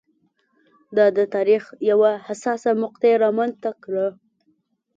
دا د تاریخ یوه حساسه مقطعه رامنځته کړه.